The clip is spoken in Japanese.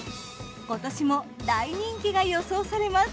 今年も大人気が予想されます。